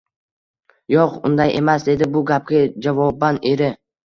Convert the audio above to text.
Yoʻq, unday emas, dedi bu gapga javoban eri